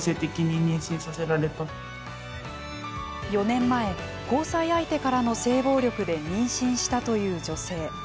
４年前、交際相手からの性暴力で妊娠したという女性。